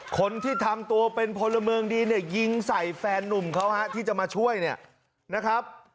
คนที่ทำตัวเป็นพลเมืองดีเนี่ยยิงใส่แฟนนุ่มเขาฮะที่จะมาช่วยเนี่ยนะครับ